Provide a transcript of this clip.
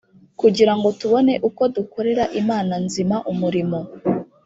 kugira ngo tubone uko dukorera imana nzima umurimo